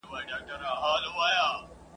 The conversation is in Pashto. قېمتي نوي جامې یې وې په ځان کي `